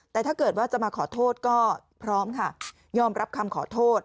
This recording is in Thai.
แต่ถ้าเกิดว่าจะมาขอโทษก็พร้อมค่ะยอมรับคำขอโทษ